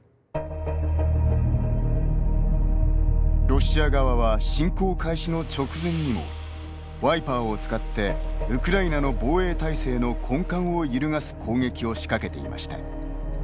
ロシア側は侵攻開始の直前にもワイパーを使ってウクライナの防衛体制の根幹を揺るがす攻撃を仕掛けていました。